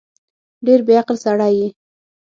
ډېر بیعقل سړی یې